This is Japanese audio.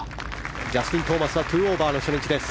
ジャスティン・トーマスは２オーバーの初日です。